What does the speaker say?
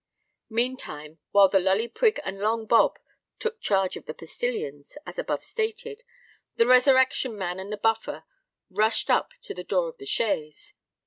Meantime, while the Lully Prig and Long Bob took charge of the postillions, as above stated, the Resurrection Man and the Buffer rushed up to the door of the chaise.